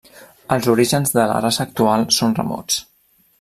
Els orígens de la raça actual són remots.